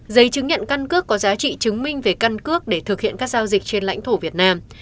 giấy chứng nhận căn cước có giá trị chứng minh về căn cước để thực hiện các giao dịch trên lãnh thổ việt nam